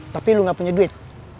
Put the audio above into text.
tapi lu gak punya duit